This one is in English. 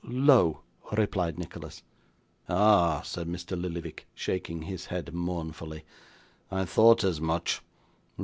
'L'EAU,' replied Nicholas. 'Ah!' said Mr. Lillyvick, shaking his head mournfully, 'I thought as much.